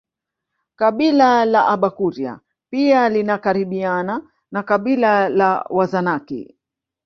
Kabila la Abakuria pia linakaribiana na kabila la Wazanaki